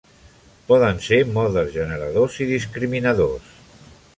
Poden ser modes generadors i discriminadors.